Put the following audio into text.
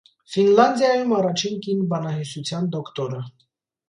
Ֆինլանդիայում առաջին կին բանահյուսության դոկտորը։